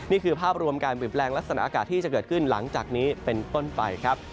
นี่คือภาพรวมการเปลี่ยนแปลงลักษณะอากาศที่จะเกิดขึ้นหลังจากนี้เป็นต้นไปครับ